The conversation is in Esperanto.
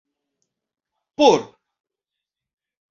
por